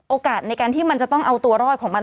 โอกาสในการที่มันจะต้องเอาตัวรอดของมัน